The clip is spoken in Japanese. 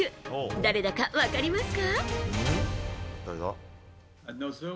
誰だか分かりますか？